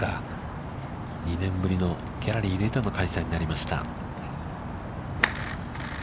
２年ぶりの、ギャラリーを入れての開催になりました。